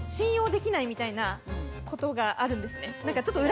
みたいなことがあるんですね。